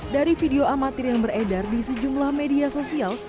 dari video amatir yang beredar di sejumlah media sosial